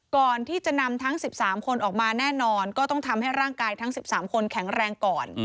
ก่อนที่จะนำทั้ง๑๓คนออกมาแน่นอนก็ต้องทำให้ร่างกายทั้ง๑๓คนแข็งแรงก่อน